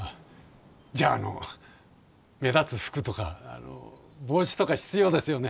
じゃああの目立つ服とかあの帽子とか必要ですよね。